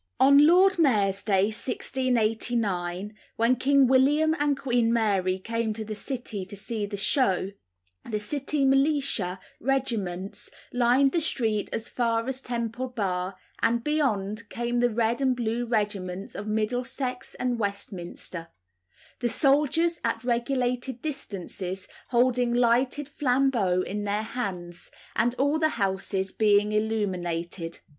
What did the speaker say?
[Illustration: TEMPLE BAR, 1746.] On Lord Mayor's Day, 1689, when King William and Queen Mary came to the City to see the show, the City militia regiments lined the street as far as Temple Bar, and beyond came the red and blue regiments of Middlesex and Westminster; the soldiers, at regulated distances, holding lighted flambeaux in their hands, and all the houses being illuminated.